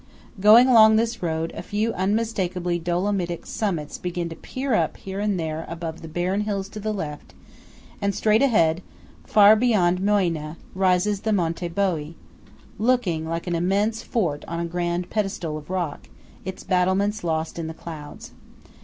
Going along this road, a few unmistakeably Dolomitic summits begin to peer up here and there above the barren hills to the left; and straight ahead, far beyond Moena, rises the Monte Boé, looking like an immense fort on a grand pedestal of rock, its battlements lost in the clouds.